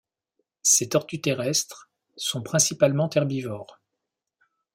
Ces tortues terrestres sont principalement herbivores.